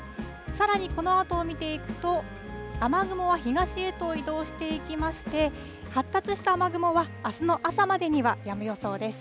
さらにこのあとを見ていくと、雨雲は東へと移動していきまして、発達した雨雲は、あすの朝までにはやむ予想です。